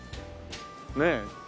ねえ。